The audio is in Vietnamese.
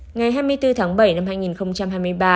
ngày hai mươi bốn tháng bảy năm hai nghìn hai mươi ba